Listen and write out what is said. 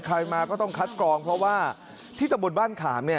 ใครมาก็ต้องคัดกรองเพราะว่าที่ตะบนบ้านขามเนี่ย